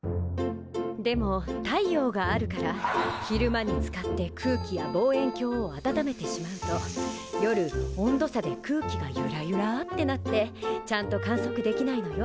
でも太陽があるから昼間に使って空気や望遠鏡を温めてしまうと夜温度差で空気がゆらゆらってなってちゃんと観測できないのよ